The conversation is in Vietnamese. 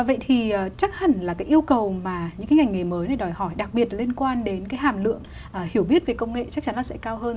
vậy thì chắc hẳn là cái yêu cầu mà những cái ngành nghề mới này đòi hỏi đặc biệt liên quan đến cái hàm lượng hiểu biết về công nghệ chắc chắn là sẽ cao hơn